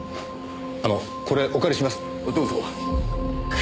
あのこれお借りします。